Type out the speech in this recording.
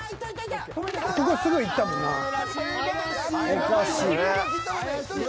［おかしい］